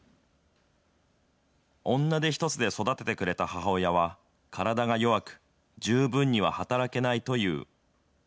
女手一つで育ててくれた母親は体が弱く、十分には働けないという。